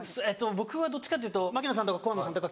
僕はどっちかっていうと槙野さんとかこころさんとか。